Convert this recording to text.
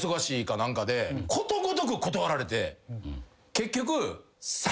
結局。